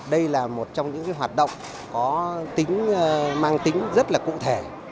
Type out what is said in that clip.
đây là một trong những hoạt động có tính mang tính rất là cụ thể